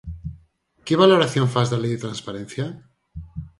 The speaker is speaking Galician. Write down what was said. Que valoración fas da Lei de Transparencia?